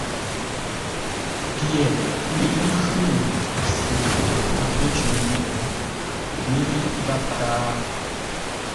Pye ləi khʉ́ ŋuu mpfu a pə́ cər ngwôʼ, mə́i gháp tâa.